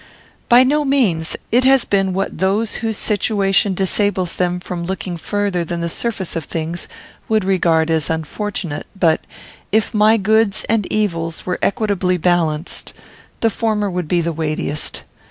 "By no means. It has been what those whose situation disables them from looking further than the surface of things would regard as unfortunate; but, if my goods and evils were equitably balanced, the former would be the weightiest.